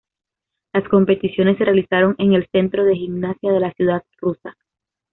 Las competiciones se realizaron en el Centro de Gimnasia de la ciudad rusa.